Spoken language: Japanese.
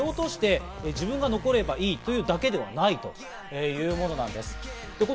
だから相手を蹴落として、自分が残ればいいというだけではないというものなんです。